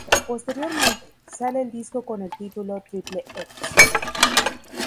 Posteriormente, sale el disco con el título "Triple X".